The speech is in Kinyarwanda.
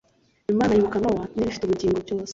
imana yibuka nowa n ibifite ubugingo byose